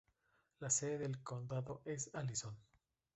La sede del condado es Allison.